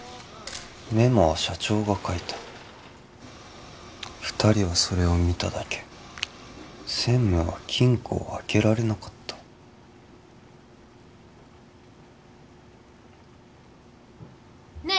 メモは社長が書いた二人はそれを見ただけ専務は金庫を開けられなかったねえ